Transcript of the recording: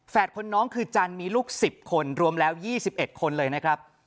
คนน้องคือจันทร์มีลูก๑๐คนรวมแล้ว๒๑คนเลยนะครับ